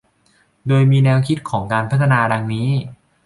โดยมีแนวคิดของการพัฒนาดังนี้